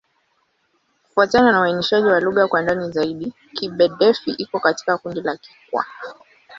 Kufuatana na uainishaji wa lugha kwa ndani zaidi, Kigbe-Defi iko katika kundi la Kikwa.